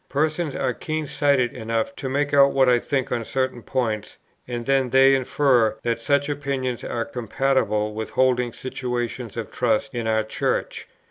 Persons are keen sighted enough to make out what I think on certain points, and then they infer that such opinions are compatible with holding situations of trust in our Church.